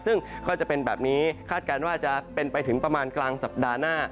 ซึ่งก็จะเป็นแบบนี้คาดการณ์ว่าจะเป็นไปถึงประมาณกลางสัปดาห์หน้า